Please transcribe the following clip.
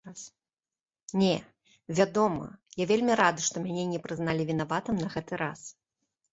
Не, вядома, я вельмі рады, што мяне не прызналі вінаватым на гэты раз!